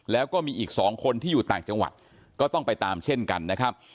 แล้วก็มีอีก๒คนที่อยู่ต่างจังหวัดก็ต้องไปตามเช่นกันนะครับ